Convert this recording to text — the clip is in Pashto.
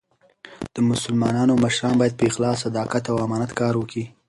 د مسلمانانو مشران باید په اخلاص، صداقت او امانت کار وکي.